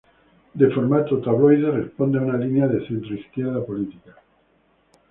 De formato tabloide, responde a una línea de centro izquierda política.